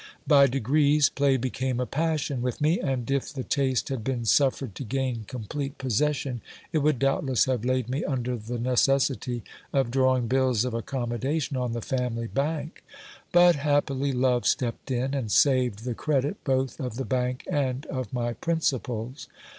By degrees play became a passion with me ; and if the taste had been suffered to gain complete possession, it would doubtless have laid me under the necessity of drawing bills of accommodation on the family bank ; but happily love stepped in, and saved the credit both of the bank and of my principles.